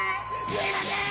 すいません！